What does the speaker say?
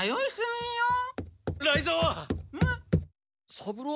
三郎？